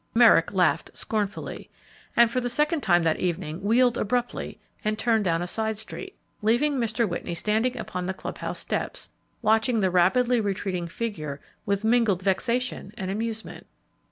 Merrick laughed scornfully, and for the second time that evening wheeled abruptly and turned down a side street, leaving Mr. Whitney standing upon the club house steps, watching the rapidly retreating figure with mingled vexation and amusement.